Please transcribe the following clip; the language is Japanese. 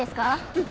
うん。